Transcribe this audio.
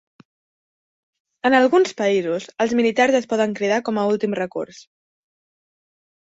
En alguns països, els militars es poden cridar com a últim recurs.